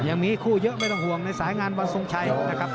ยังมีคู่เยอะไม่ต้องห่วงในสายงานวันทรงชัยนะครับ